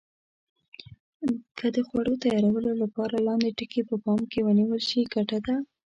که د خوړو تیارولو لپاره لاندې ټکي په پام کې ونیول شي ګټه ده.